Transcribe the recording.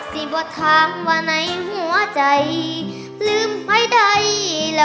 สิบวทามว่าในหัวใจลืมให้ใดละว่า